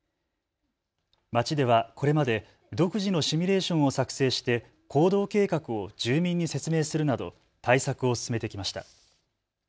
町ではこれまで独自のシミュレーションを作成して行動計画を住民に説明するなど対策を進めてきました。